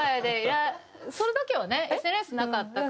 その時はねＳＮＳなかったから。